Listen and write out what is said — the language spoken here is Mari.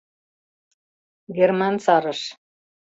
Герман сарыш.